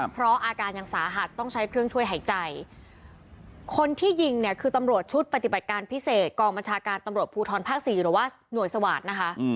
เพราะอาการยังสาหัสต้องใช้เครื่องช่วยหายใจคนที่ยิงเนี่ยคือตำรวจชุดปฏิบัติการพิเศษกองบัญชาการตำรวจภูทรภาคสี่หรือว่าหน่วยสวาสตร์นะคะ